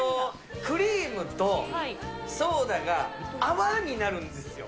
クリームとソーダが泡になるんですよ。